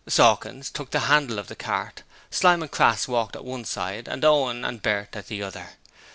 Sawkins took the handle of the cart, Slyme and Crass walked at one side and Owen and Bert at the other.